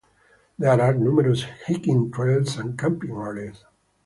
There are numerous hiking trails and camping areas.